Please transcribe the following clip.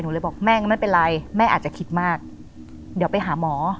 เลยบอกแม่ไม่เป็นไรแม่อาจจะคิดมากเดี๋ยวไปหาหมอ